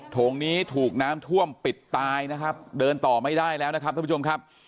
โถงนี้ถูกน้ำท่วมปิดตายนะครับเดินต่อไม่ได้แล้วนะครับท่านผู้ชมครับ